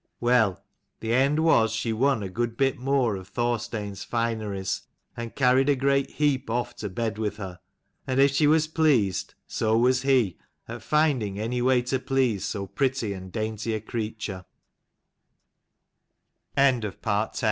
Well, the end was she won a good bit more of Thorstein's fineries, and carried a great heap off to bed with her. And if she was pleased, so was he, at finding any way to please so pre